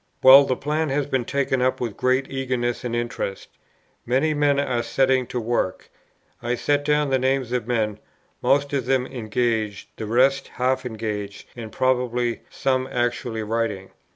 "Well, the plan has been taken up with great eagerness and interest. Many men are setting to work. I set down the names of men, most of them engaged, the rest half engaged and probable, some actually writing."